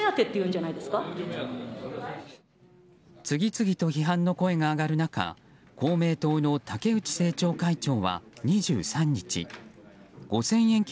次々と批判の声が上がる中公明党の竹内政調会長は２３日、５０００円